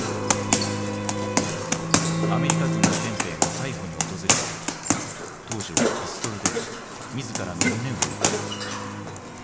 アメリカ軍の憲兵が逮捕に訪れた時東条はピストルで自らの胸を撃った。